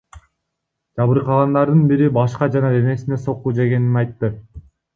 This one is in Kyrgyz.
Жабыркагандардын бири башка жана денесине сокку жегенин айтты.